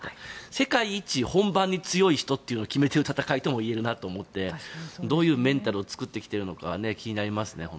世界一本番に強い人を決めてる戦いといえる部分もあってどういうメンタルを作ってきているのか気になりますね。